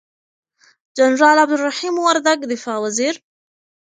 جنرال عبدالرحیم وردگ دفاع وزیر،